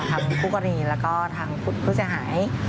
ทางผู้กรณีและก็ทางผู้จัดหาย